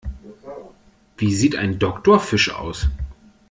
Wie sieht ein Doktorfisch aus?